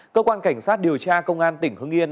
cơ quan cảnh sát điều tra công an tỉnh hưng yên